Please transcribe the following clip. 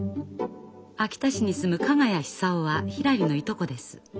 秋田市に住む加賀谷久男はひらりのいとこです。